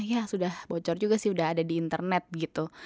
ya sudah bocor juga sih udah ada di internet gitu